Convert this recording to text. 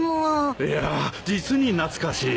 いやあ実に懐かしい。